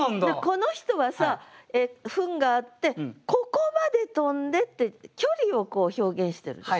この人はさ糞があって「ここまで飛んで」って距離を表現してるでしょ。